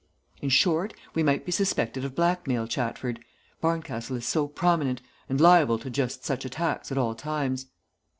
In short, we might be suspected of blackmail, Chatford; Barncastle is so prominent, and liable to just such attacks at all times."